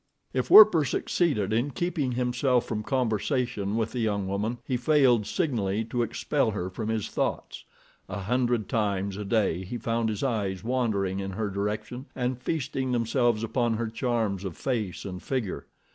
If Werper succeeded in keeping himself from conversation with the young woman, he failed signally to expel her from his thoughts. A hundred times a day he found his eyes wandering in her direction and feasting themselves upon her charms of face and figure.